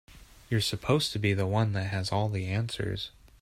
You're supposed to be the one that has all the answers.